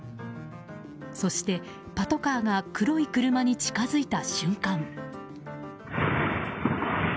そしてパトカーが黒い車に近づいた瞬間。